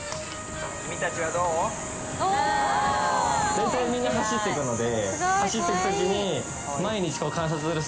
大体みんな走って行くので。